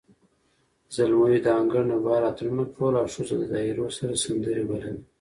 زلمیو د انګړ نه بهر اتڼونه کول، او ښځو د دایرو سره سندرې بللې.